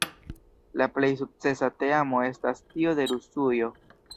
La plej sukcesa teamo estas tio de Rusujo.